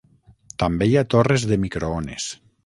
També hi ha torres de microones.